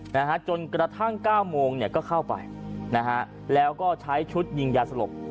นะฮะจนกระทั่งเก้าโมงเนี่ยก็เข้าไปนะฮะแล้วก็ใช้ชุดยิงยาสลบ